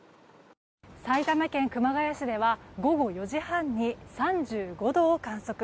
埼玉県熊谷市では午後４時半に３５度を観測。